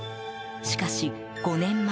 しかし、５年前。